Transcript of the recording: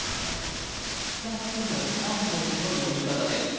２つの３文字の読み方です